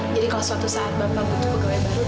jadi kalau suatu saat bang butuh pegawai baru